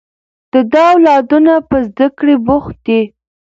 د ده اولادونه په زده کړې بوخت دي